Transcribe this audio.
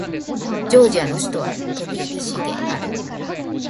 ジョージアの首都はトビリシである